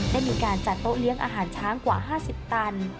ได้มีการจัดโต๊ะเลี้ยงอาหารช้างกว่า๕๐ตัน